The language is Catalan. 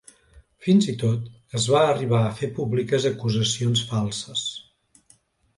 Fins i tot, es van arribar a fer públiques acusacions falses.